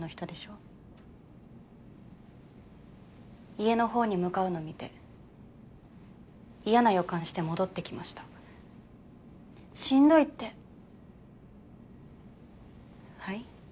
家のほうに向かうの見て嫌な予感して戻ってきましたしんどいってはい？